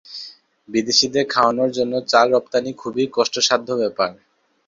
বিদেশীদের খাওয়ানোর জন্য চাল রপ্তানী খুবই কষ্টসাধ্য ব্যাপার।